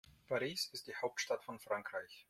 Paris ist die Hauptstadt von Frankreich.